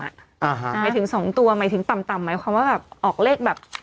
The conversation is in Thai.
อ่าฮะหมายถึงสองตัวหมายถึงต่ำต่ำหมายความว่าแบบออกเลขแบบ